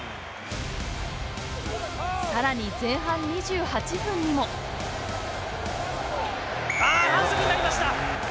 さらに前半２８分にもああ反則になりました。